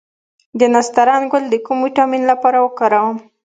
د نسترن ګل د کوم ویټامین لپاره وکاروم؟